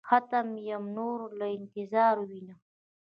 ختم يمه نور له انتظاره وينم.